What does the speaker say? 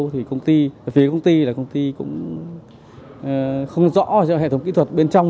thì công ty phía công ty cũng không rõ hệ thống kỹ thuật bên trong